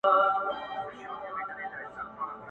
• کتاب د سړیتوب دي په معنا ویلی نه دی..